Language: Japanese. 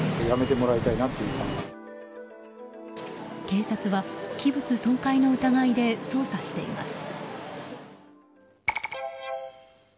警察は器物損壊の疑いで捜査しています。